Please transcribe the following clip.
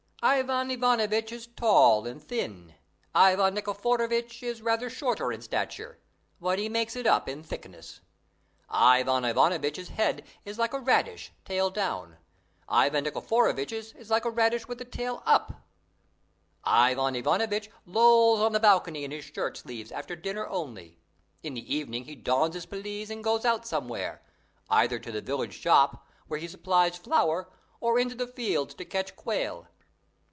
Ivan Ivanovitch is tall and thin: Ivan Nikiforovitch is rather shorter in stature, but he makes it up in thickness. Ivan Ivanovitch's head is like a radish, tail down; Ivan Nikiforovitch's like a radish with the tail up. Ivan Ivanovitch lolls on the balcony in his shirt sleeves after dinner only: in the evening he dons his pelisse and goes out somewhere, either to the village shop, where he supplies flour, or into the fields to catch quail.